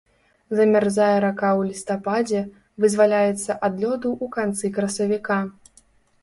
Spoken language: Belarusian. Замярзае рака ў лістападзе, вызваляецца ад лёду ў канцы красавіка.